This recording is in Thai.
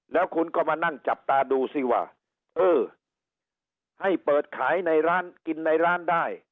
แล้วคุณก็มานั่งจับตาดูสิว่าเออให้เปิดขายในร้านกินในร้านได้